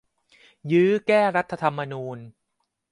ยื้อแก้รัฐธรรมนูญ !